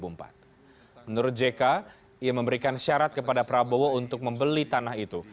menurut jk ia memberikan syarat kepada prabowo untuk membeli tanah itu